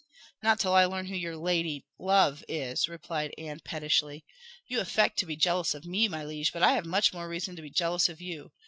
"Not till I learn who your lady love is," replied Anne pettishly. "You affect to be jealous of me, my liege, but I have much more reason to be jealous of you.